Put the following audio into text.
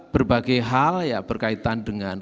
berbagai hal berkaitan dengan